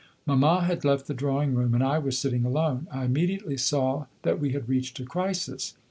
Mamma had left the drawing room, and I was sitting alone; I immediately saw that we had reached a crisis.